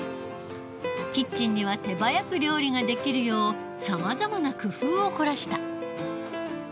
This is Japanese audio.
キッチンには手早く料理ができるようさまざまな工夫を凝らした。